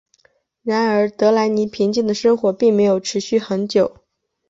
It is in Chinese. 然而德莱尼平静的生活并没有持续很久。